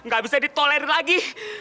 gak bisa ditoleran lagi